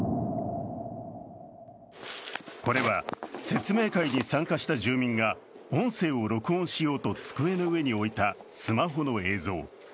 これは説明会に参加した住民が音声を録音しようと机の上に置いたスマホの映像。